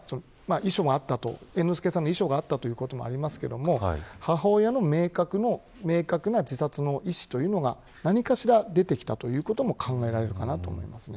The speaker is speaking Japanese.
猿之助さんの遺書があったということもありますが母親の明確な自殺の意思というものが何かしら出てきたということも考えられると思います。